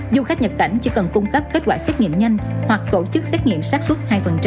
du khách nhập cảnh chỉ cần cung cấp kết quả xét nghiệm nhanh hoặc tổ chức xét nghiệm sát xuất hai